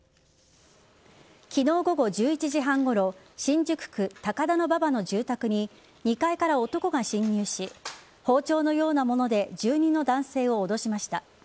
昨日午後１１時半ごろ新宿区高田馬場の住宅に２階から男が侵入し包丁のようなもので住人の男性を脅しました。